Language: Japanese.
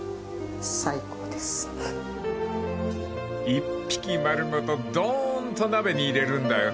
［一匹丸ごとどーんと鍋に入れるんだよね］